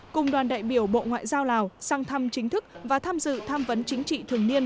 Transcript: cùng đoàn đại biểu bộ ngoại giao lào sang thăm chính thức và tham dự tham vấn chính trị thường niên